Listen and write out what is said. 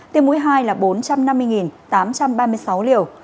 tiêm mũi hai là bốn trăm năm mươi tám trăm ba mươi sáu liều